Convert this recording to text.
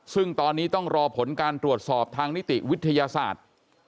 ซึ่งตอนนี้ต้องรอผลการตรวจสอบทางนิติวิทยาศาสตร์